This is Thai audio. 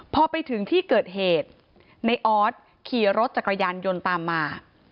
พอไปถึงที่เกิดเหตุในออสขี่รถจักรยานยนต์ตามมา